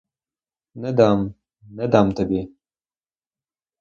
Не дам, не дам тобі!